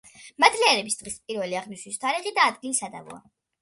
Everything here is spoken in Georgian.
მადლიერების დღის პირველი აღნიშვნის თარიღი და ადგილი სადავოა.